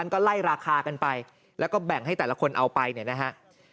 ก็ไล่ราคากันไปแล้วก็แบ่งให้แต่ละคนเอาไปเนี่ยนะฮะ